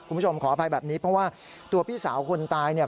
คุณผู้ชมขออภัยแบบนี้เพราะว่าตัวพี่สาวคนตาย